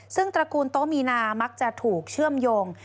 ซึ่งตระกูลโต๊มีนามักจะถูกเชื่อมโยง